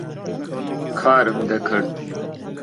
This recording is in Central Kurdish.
کارم دەکرد.